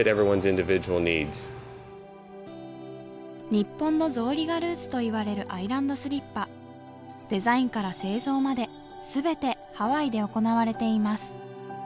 日本の草履がルーツといわれるアイランドスリッパデザインから製造まで全てハワイで行われています